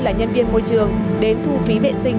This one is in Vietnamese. là nhân viên môi trường đến thu phí vệ sinh